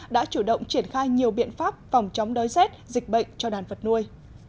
đã chủ động triển khai nhiều biện pháp phòng chống đói rét dịch bệnh cho đàn vật nuôi